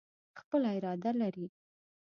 خپله اراده لري.